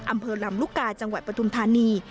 อำเภอลำลูกกาจังหวัดปทุมธานี